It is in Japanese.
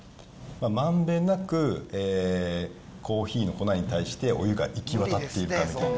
まんべんなくコーヒーの粉に対して、お湯が行き渡っているかみたいな。